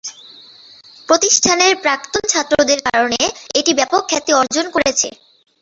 প্রতিষ্ঠানের প্রাক্তন ছাত্রদের কারণে এটি ব্যাপক খ্যাতি অর্জন করেছে।